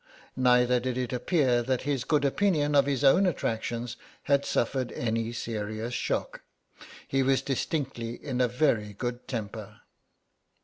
Neither did it appear that his good opinion of his own attractions had suffered any serious shock. He was distinctly in a very good temper.